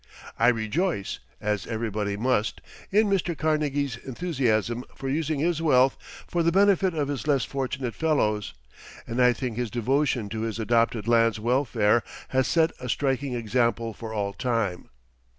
I rejoice, as everybody must, in Mr. Carnegie's enthusiasm for using his wealth for the benefit of his less fortunate fellows and I think his devotion to his adopted land's welfare has set a striking example for all time.